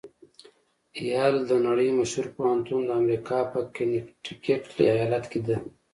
یل د نړۍ مشهوره پوهنتون د امریکا په کنېکټیکیټ ایالات کې ده.